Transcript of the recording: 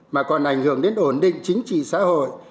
mà còn ảnh hưởng đến ổn định chính trị xã hội